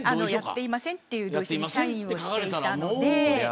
やっていないという同意書にサインをしていたので。